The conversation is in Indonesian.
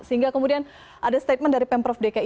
sehingga kemudian ada statement dari pemprov dki